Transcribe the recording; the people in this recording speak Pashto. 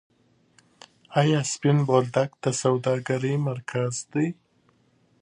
آیا سپین بولدک د سوداګرۍ مرکز دی؟